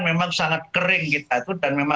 memang sangat kering kita itu dan memang